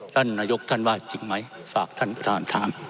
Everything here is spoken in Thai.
ท่านนายกท่านว่าจริงไหมฝากท่านประธานถาม